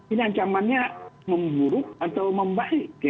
ini ancamannya memburuk atau membaik